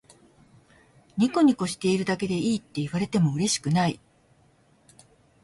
ニコニコしているだけでいいって言われてもうれしくない